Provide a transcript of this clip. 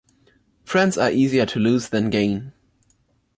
Friends are easier to lose than gain.